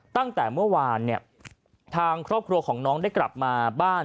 ตั้งแต่เมื่อวานเนี่ยทางครอบครัวของน้องได้กลับมาบ้าน